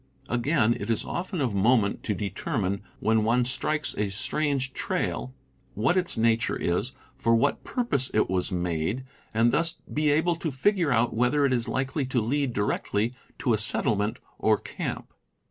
Again, it is often of moment to determine, when one strikes a strange trail, what its nature is — for what purpose it was made — and thus be able to figure out whether it is likely to lead directly to a settlement or camp.